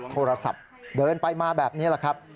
โทรศัพท์เดินไปมาแบบนี้แหละครับ